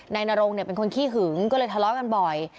นายนรงเป็นคนขี้หึงก็เลยทะเลาะกันบ่อย